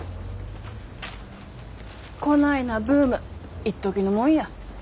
こないなブームいっときのもんや。